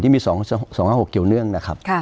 ที่มีสองห้าหกเกี่ยวเนื่องนะครับ